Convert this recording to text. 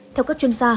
theo các chuyên gia